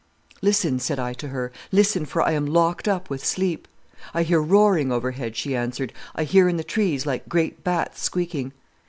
"'Listen,' said I to her, 'listen, for I am locked up with sleep.' "'I hear roaring overhead,' she answered. 'I hear in the trees like great bats squeaking.